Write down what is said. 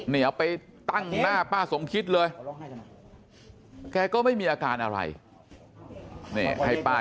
นี่เอาไปตั้งหน้าป้าสมคิดเลยแกก็ไม่มีอาการอะไรนี่ให้ป้า